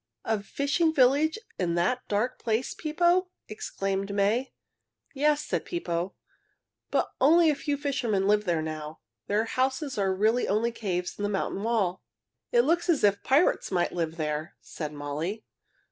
A fishing village in that dark place, Pippo?" exclaimed May. "Yes," said Pippo, "but only a few fishermen live there now. Their houses are really only caves in the mountain wall." "It looks as if pirates might live there," said Molly.